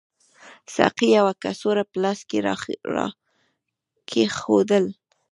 ساقي یوه کڅوړه په لاس کې راکېښودل.